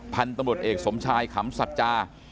พันธุ์ตำรวจเอกสมชายขำสัจจา